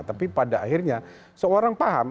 tapi pada akhirnya seorang paham